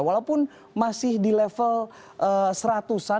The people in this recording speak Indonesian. walaupun masih di level seratusan